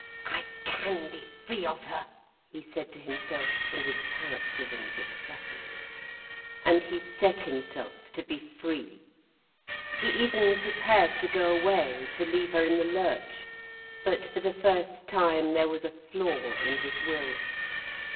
"I can be free of her," he said to himself in his paroxysms of suffering. And he set himself to be free. He even prepared to go away, to leave her in the lurch. But for the first time there was a flaw in his will.